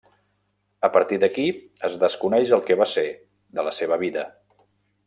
A partir d'aquí es desconeix el que va ser de la seva vida.